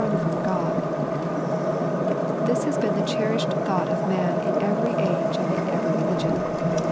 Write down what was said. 119 ^»rv/ng from God. This has been the cherished thoiight of man in every age and in every religioD.